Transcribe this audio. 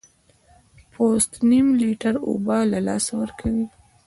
پوست نیم لیټر اوبه له لاسه ورکوي.